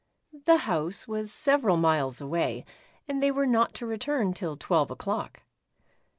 The house was several miles away, and they were not to return till twelve o'clock.